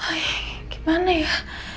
aduh gimana ya